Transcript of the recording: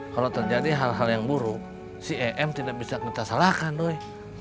kalau terjadi hal hal yang buruk si em tidak bisa kita salahkan doy